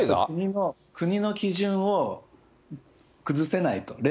国の基準を崩せないと。